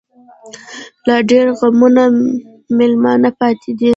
لا ډيـر غمـــــونه مېلـــمانه پــاتې دي